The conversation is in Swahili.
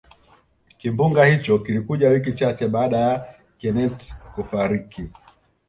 kimbunga hicho kilikuja wiki chache baada ya kenneth kufariki